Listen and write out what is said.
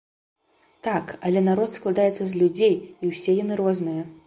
Так, але народ складаецца з людзей, і ўсе яны розныя.